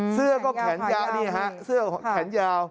เสื้อก็แขนยะนี่ฮะเสื้อแขนยาว